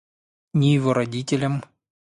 Ни его родителям.